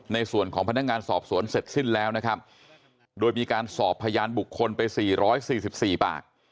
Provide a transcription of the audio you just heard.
ในส่วนของพนักงานสอบสวนเสร็จสิ้นแล้วนะครับโดยมีการสอบพยานบุคคลไปสี่ร้อยสี่สิบสี่บาท